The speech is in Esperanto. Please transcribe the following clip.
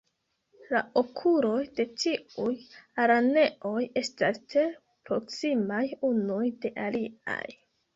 La okuloj de tiuj araneoj estas tre proksimaj unuj de aliaj.